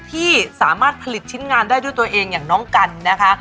ที่สามารถผลิตชิ้นงานได้ด้วยตัวเองอย่างน้องกันนะคะ